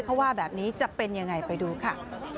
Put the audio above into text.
เพราะว่าแบบนี้จะเป็นยังไงไปดูค่ะ